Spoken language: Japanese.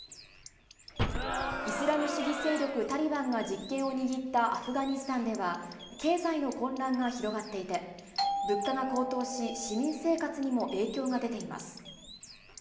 イスラム主義勢力タリバンが実権を握ったアフガニスタンでは、経済の混乱が広がっていて、物価が高騰し、市民生活にも影響が出ています。